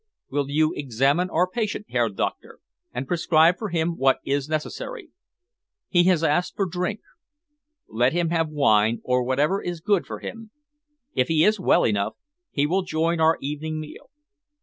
"Will you examine our patient, Herr Doctor, and prescribe for him what is necessary? He has asked for drink. Let him have wine, or whatever is good for him. If he is well enough, he will join our evening meal.